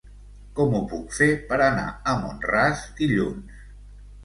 Com ho puc fer per anar a Mont-ras dilluns?